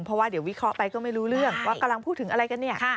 เพราะว่าเดี๋ยววิเคราะห์ไปก็ไม่รู้เรื่องว่ากำลังพูดถึงอะไรกันเนี่ย